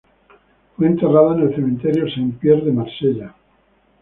Fue enterrada en el Cementerio Saint-Pierre de Marsella.